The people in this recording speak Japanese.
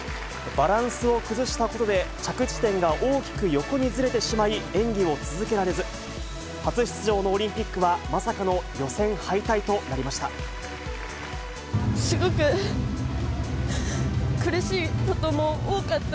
バランスを崩したことで着地点が大きく横にずれてしまい、演技を続けられず、初出場のオリンピックは、まさかの予選敗退となりました。